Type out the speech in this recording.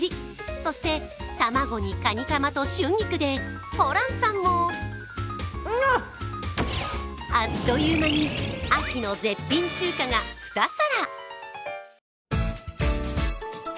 そして、卵にかにかまと春菊でホランさんもあっという間に秋の絶品中華が２皿。